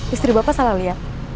istri bapak salah lihat